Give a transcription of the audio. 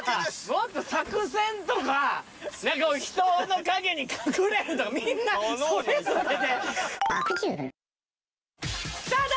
もっと作戦とか人の陰に隠れるとかみんなそれぞれでスタート！